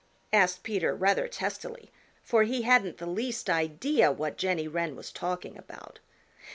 asked Peter rather testily, for he hadn't the least idea what Jenny Wren was talking about.